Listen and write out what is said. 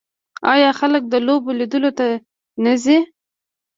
آیا خلک د لوبو لیدلو ته نه ځي؟